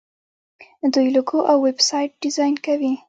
دوی لوګو او ویب سایټ ډیزاین کوي.